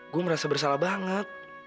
gue merasa bersalah banget